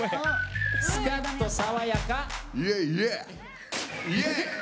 スカッと爽やか。